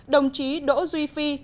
đồng chí đỗ duy phi